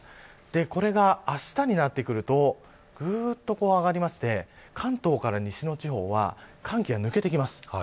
これがあしたになってくるとぐっと上がって関東から西の地方は寒気が抜けていきます。